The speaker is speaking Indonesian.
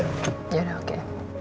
ya udah oke